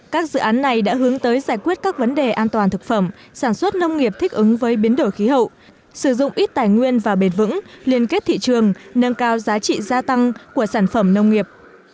các dự án này đã hướng tới giải quyết các vấn đề an toàn thực phẩm sản xuất nông nghiệp thích ứng với biến đổi khí hậu sử dụng ít tài nguyên và bền vững liên kết thị trường nâng cao giá trị gia tăng của sản phẩm nông nghiệp